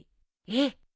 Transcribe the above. えっ！？